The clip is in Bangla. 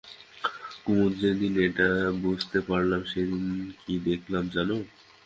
কুমুদ, যেদিন এটা বুঝতে পারলাম সেইদিন কী দেখলাম জানো?